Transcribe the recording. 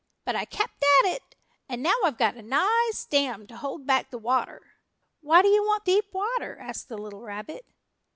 But I kept at it, and now I've got a nice dam to hold back the water." "Why do you want deep water?" asked the little rabbit.